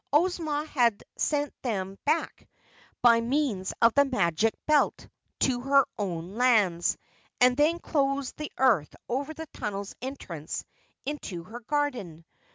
Ozma had sent them back by means of the Magic Belt to their own lands, and then closed the earth over the tunnel's entrance into her garden.